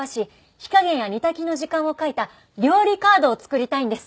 火加減や煮炊きの時間を書いた料理カードを作りたいんです。